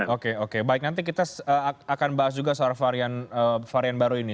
oke oke baik nanti kita akan bahas juga soal varian baru ini